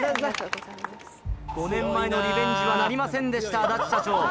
５年前のリベンジはなりませんでした安達社長